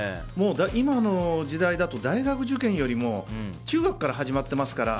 今の時代だと大学受験よりも中学から始まってますから。